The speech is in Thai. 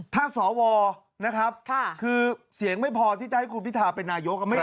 ถ้าสวนะครับคือเสียงไม่พอที่จะให้คุณพิทาเป็นนายก